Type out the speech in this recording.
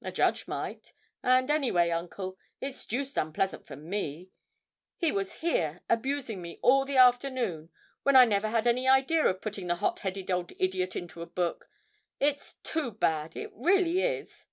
'A judge might, and, any way, Uncle, it's deuced unpleasant for me. He was here abusing me all the afternoon when I never had any idea of putting the hot headed old idiot into a book. It's too bad it really is!'